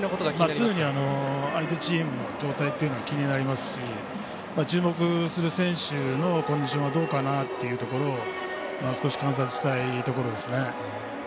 常に相手チームの状態というのが気になりますし注目する選手のコンディションはどうかなというのを観察したいところです。